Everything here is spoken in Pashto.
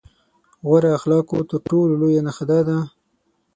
غوره اخلاقو تر ټولو لويه نښه دا ده.